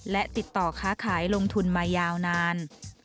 และติดต่อค้าขายลงทุนมายาวนาน